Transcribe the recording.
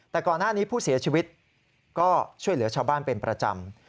แต่ก่อนหน้านี้ผู้เสียชีวิตก็ช่วยเหลือชาวบ้านเป็นประจำ